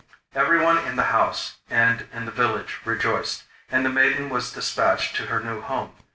Everyone in the house and in the village rejoiced, and the maiden was despatched to her new home.